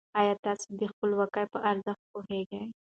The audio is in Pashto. ايا تاسې د خپلواکۍ په ارزښت پوهېږئ؟